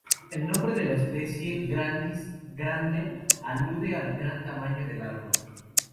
El nombre de la especie, "grandis", "grande" alude al gran tamaño del árbol.